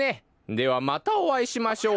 ではまたおあいしましょう。